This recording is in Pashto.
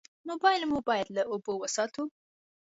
موبایل مو باید له اوبو وساتو.